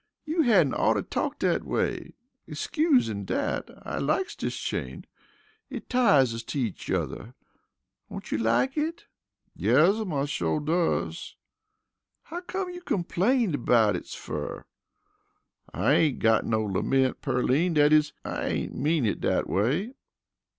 "You hadn't oughter talk dat way. Excusin' dat, I likes dis chain it ties us to each yuther. Don't you like it?" "Yes'm, I shore does." "How come you complains about it fer?" "I ain't got no lament, Pearline dat is, I ain't mean it dat way."